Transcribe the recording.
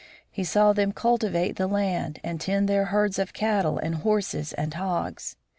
He saw them cultivate the soil and tend their herds of cattle and horses and hogs.